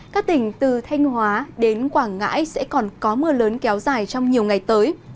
các tỉnh từ thanh hóa đến quảng ngãi sẽ còn có mưa lớn kéo dài trong nhiều ngày tới